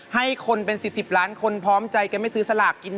ให้คนเป็น๑๐ล้านคนพร้อมใจกันไม่ซื้อสลากกิน